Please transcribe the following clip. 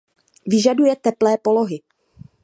Vyžaduje teplé polohy.